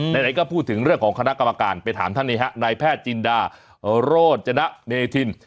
ไหนก็พูดถึงเรื่องของคณะกรรมการไปถามท่านนี้ฮะนายแพทย์จินดาโรจนะเมธิน